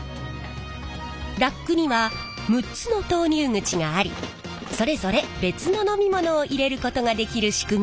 ラックには６つの投入口がありそれぞれ別の飲み物を入れることができる仕組みになっています。